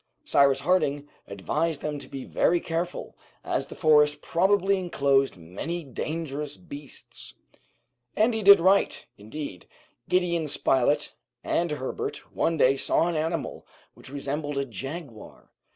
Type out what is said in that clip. Cyrus Harding advised them to be very careful, as the forest probably enclosed many dangerous beasts. And he did right. Indeed, Gideon Spilett and Herbert one day saw an animal which resembled a jaguar.